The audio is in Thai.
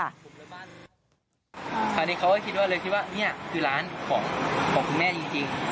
อันนี้เขาเลยคิดว่านี่คือร้านของคุณแม่จริง